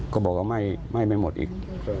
ก็บอกว่าไม่หมดอีก